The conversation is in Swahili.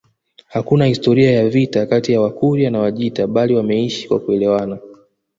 Hakuna historia ya vita kati ya Wakurya na Wajita bali wameishi kwa kuelewana